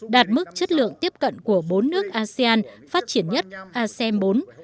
đạt mức chất lượng tiếp cận của bốn nước asean phát triển nhất asem bốn